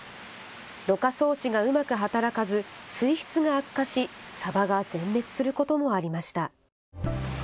ろ過装置がうまく働かず水質が悪化しサバが全滅することもありました。